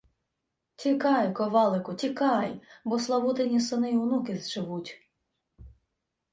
— Тікай, ковалику! Тікай, бо Славутині сини й онуки зживуть!..